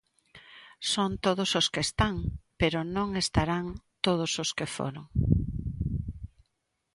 Son todos os que están, pero non estarán todos os que foron.